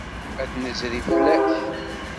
Ad d-nezri fell-ak.